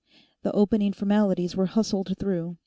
The opening formalities were hustled through.